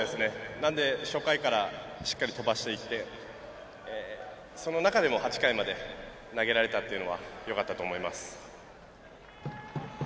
なので、初回からしっかり飛ばしていってその中でも、８回まで投げられたっていうのはよかったと思います。